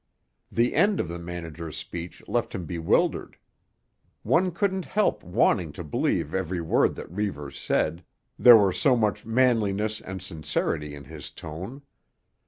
The end of the Manager's speech left him bewildered. One couldn't help wanting to believe every word that Reivers said, there were so much manliness and sincerity in his tone.